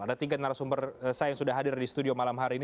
ada tiga narasumber saya yang sudah hadir di studio malam hari ini